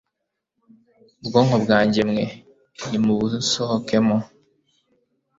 bwoko bwanjye mwe nimubusohokemo